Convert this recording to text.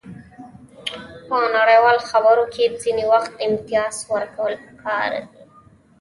په نړیوالو خبرو کې ځینې وخت امتیاز ورکول پکار دي